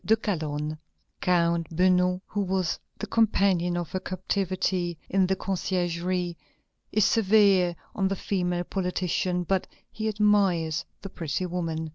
de Calonne." Count Beugnot, who was the companion of her captivity in the Conciergerie, is severe on the female politician, but he admires the pretty woman.